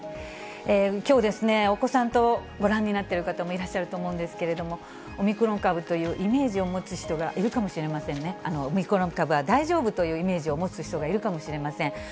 きょう、お子さんとご覧になっている方もいらっしゃると思うんですけれども、オミクロン株というイメージを持つ人がいるかもしれませんね、オミクロン株は大丈夫というイメージを持つ人がいるかもしれません。